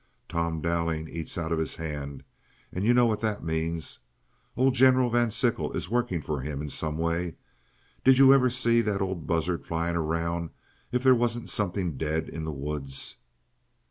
Tom Dowling eats out of his hand, and you know what that means. Old General Van Sickle is working for him in some way. Did you ever see that old buzzard flying around if there wasn't something dead in the woods?"